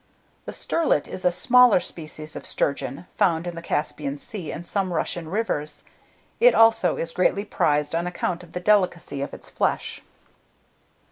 THE STERLET is a smaller species of sturgeon, found in the Caspian Sea and some Russian rivers. It also is greatly prized on account of the delicacy of its flesh.